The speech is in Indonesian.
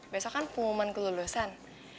besok kan pengumuman kelulusan